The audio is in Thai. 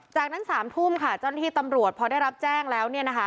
จากนั้น๓ทุ่มค่ะเจ้าหน้าที่ตำรวจพอได้รับแจ้งแล้วเนี่ยนะคะ